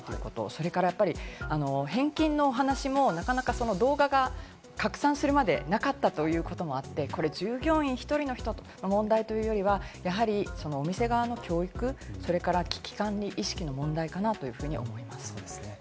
それから返金の話もなかなか、動画が拡散するまでなかったということもあって、従業員１人の問題というよりは、やはりお店側の教育、危機管理意識の問題かなというふうに思います。